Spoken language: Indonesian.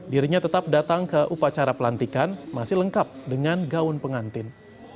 dirinya tetap datang ke upacara pelantikan masih lengkap dengan gaun pengantin